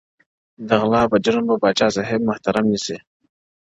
د غلا په جرم به پاچاصاب محترم نیسې؛